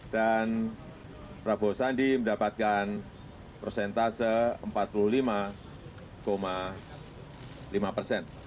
dan prabowo sandi mendapatkan persentase empat puluh lima lima persen